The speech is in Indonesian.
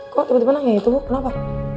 kok tiba tiba nangis itu bu kenapa